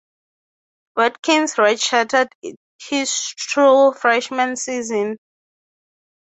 Watkins redshirted his true freshman season.